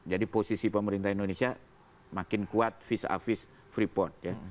jadi posisi pemerintah indonesia makin kuat vis a vis free port ya